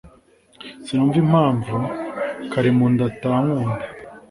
Sinumva impamvu Karimunda atankunda